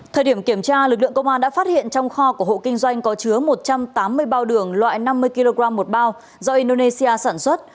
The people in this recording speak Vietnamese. thời điểm kiểm tra lực lượng công an đã phát hiện trong kho của hộ kinh doanh có chứa một trăm tám mươi bao đường loại năm mươi kg một bao do indonesia sản xuất